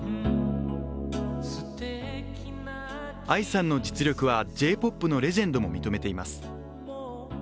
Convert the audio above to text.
藍さんの実力はＪ−ＰＯＰのレジェンドも認めています。